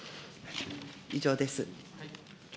以上です。